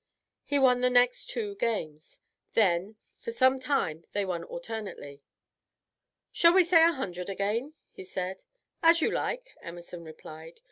He won the next two games, then for some time they won alternately. "Shall we say a hundred again?" he said. "As you like," Emerson replied.